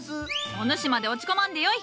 お主まで落ち込まんでよい！